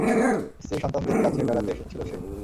স্ত্রী-সন্তানদের কাছে বেড়াতে এসেছিলো সে।